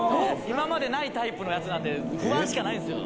今までないタイプのやつなんで不安しかないんすよ